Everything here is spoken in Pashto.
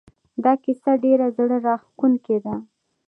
دا کیسه ډېره زړه راښکونکې ده